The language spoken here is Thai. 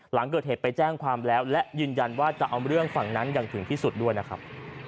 หลังเกิดเหตุไปแจ้งความแล้วและยืนยันว่าจะเอาเรื่องฝั่งนั้นอย่างถึงที่สุดด้วยนะครับ